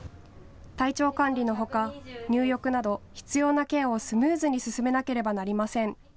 体調管理のほか入浴など必要なケアをスムーズに進めなければなりません。